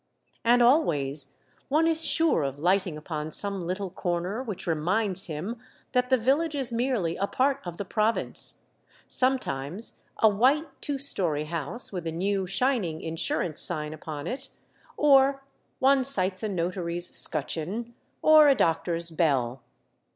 And always one is sure of lighting upon some little corner which reminds him that the village is merely a part of the province, — sometimes a white, two story house with a new, shin ing insurance sign upon it, or one sights a notary's scutcheon, or a doctor's bell.